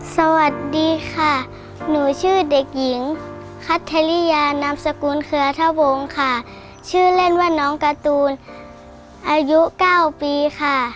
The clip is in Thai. สวัสดีค่ะหนูชื่อเด็กหญิงคัทธริยานามสกุลเครือทะวงค่ะชื่อเล่นว่าน้องการ์ตูนอายุเก้าปีค่ะ